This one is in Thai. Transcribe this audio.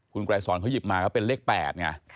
คุณไกรสอนเขาหยิบมาก็เป็นเลข๘ไง